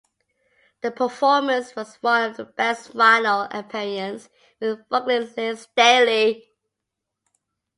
The performance was one of the band's final appearances with vocalist Layne Staley.